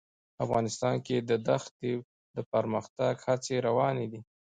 افغانستان کې د دښتې د پرمختګ هڅې روانې دي.